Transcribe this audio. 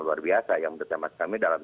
luar biasa yang menurut saya mas kami dalam